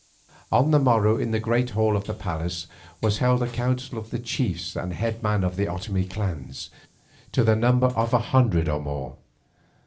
On the morrow in the great hall of the palace was held a council of the chiefs and head men of the Otomie clans, to the number of a hundred or more.